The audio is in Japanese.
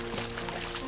よし。